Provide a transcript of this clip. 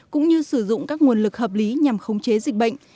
cũng như sử dụng các nguồn lực hợp lý nhằm khống chế dịch bệnh